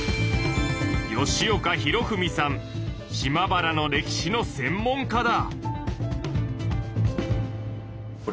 島原の歴史の専門家だ。